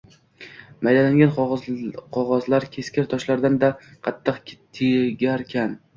Maydalangan qog’ozlar keskir toshlardan-da qattiq tegarkan